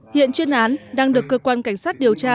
hiện chuyên án đang được cơ quan cảnh sát điều tra